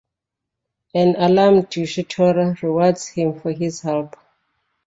An alarmed Ushitora rewards him for his help.